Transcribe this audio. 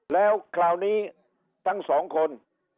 แล้วคราวนี้ทั้งสองคน